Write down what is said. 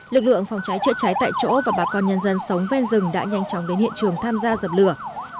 lực lượng phòng cháy chữa cháy tại chỗ và bà con nhân dân sống ven rừng đã nhanh chóng đến hiện trường tham gia dập lửa